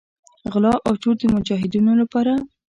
غلا او چور د مجاهدینو لپاره.